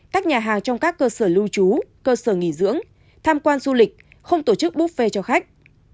các nhà hàng trong các cơ sở lưu trú cơ sở nghỉ dưỡng tham quan du lịch không tổ chức buffet cho khách